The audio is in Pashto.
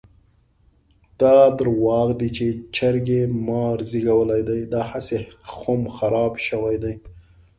دا درواغ دي چې چرګې مار زېږولی دی؛ داهسې خم خراپ شوی دی.